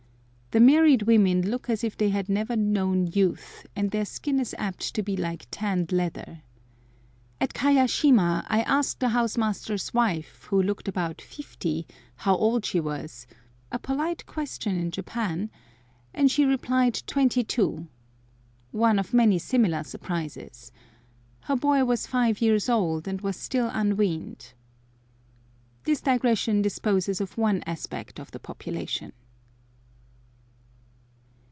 The married women look as if they had never known youth, and their skin is apt to be like tanned leather. At Kayashima I asked the house master's wife, who looked about fifty, how old she was (a polite question in Japan), and she replied twenty two—one of many similar surprises. Her boy was five years old, and was still unweaned. This digression disposes of one aspect of the population.